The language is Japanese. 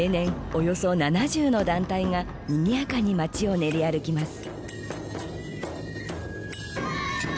およそ７０の団体がにぎやかに町を練り歩きます。